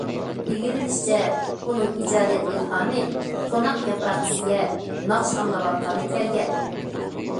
ئىگىلىنىشىچە، ئۇنىڭ ئىجادىيەت ئىلھامى قوناق ياپراقچىسى يەپ، ناخشا ئاڭلاۋاتقاندا كەلگەن.